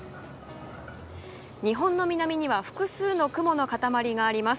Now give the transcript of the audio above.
日本の南には複数の雲の塊があります。